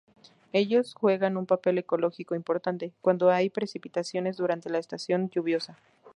Ellos juegan un papel ecológico importante, cuando hay precipitaciones durante la estación lluviosa.